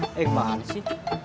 eh gimana sih